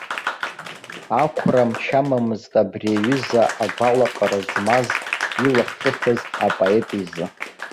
Ақәра мчы амамызт абри аҩыза агәалаҟара змаз, илахҿыхыз апоет изы.